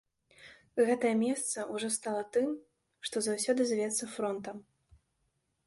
Гэтае месца ўжо стала тым, што заўсёды завецца фронтам.